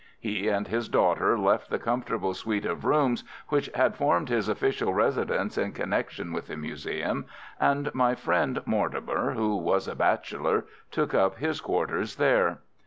He and his daughter left the comfortable suite of rooms which had formed his official residence in connection with the museum, and my friend, Mortimer, who was a bachelor, took up his quarters there.